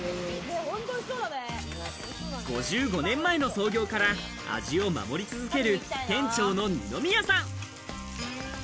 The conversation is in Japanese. ５５年前の創業から味を守り続ける店長の二宮さん。